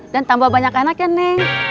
dan tambah banyak anak ya neng